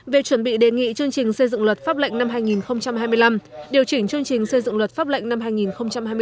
về chuẩn bị đề nghị chương trình xây dựng luật pháp lệnh năm hai nghìn hai mươi năm điều chỉnh chương trình xây dựng luật pháp lệnh năm hai nghìn hai mươi bốn